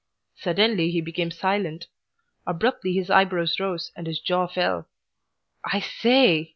Suddenly he became silent. Abruptly his eyebrows rose and his jaw fell. "I sa a ay!"